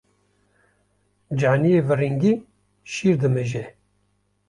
Caniyê viringî şîr dimije.